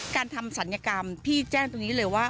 การทำศัลยกรรมพี่แจ้งตรงนี้เลยว่า